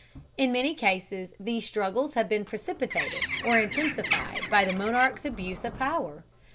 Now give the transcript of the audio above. In many cases these struggles have been precipitated or intensified by the monarch's abuse of power.